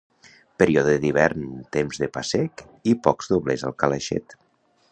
Període d'hivern, temps de pa sec i pocs doblers al calaixet.